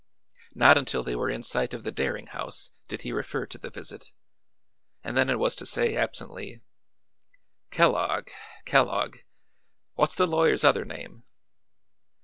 Not until they were in sight of the Daring house did he refer to the visit, and then it was to say absently: "Kellogg Kellogg. What's the lawyer's other name?"